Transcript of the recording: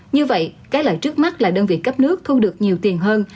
như vậy cái lợi trước mắt là đơn vị cấp nước thu được nhiều tiền hơn